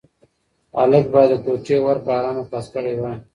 هلک باید د کوټې ور په ارامه خلاص کړی وای.